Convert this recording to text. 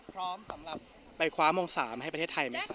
พร้อมสำหรับไปคว้ามงศาลให้ประเทศไทยไหมครับ